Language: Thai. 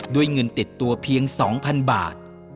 เงินติดตัวเพียง๒๐๐๐บาท